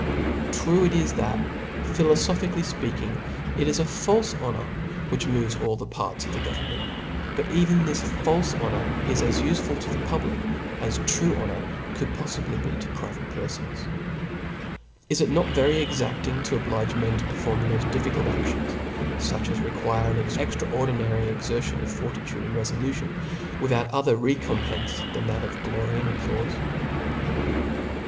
True it is, that, philpfophically fpeakmg, ic k afalfe honor which moves all the partfi of the government; but even this falfe honor is as u(e 6)1 to ths public, aa true honour could poffibiy be to private people. Is it not a very great point, to oblige mea to perform the moft difficult anions, fuch as require ap extraordinary eKertion of fortitude and refoiu tion, without any other recompence, than that glory and applaufe